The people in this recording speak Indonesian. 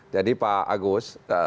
jadi pak agus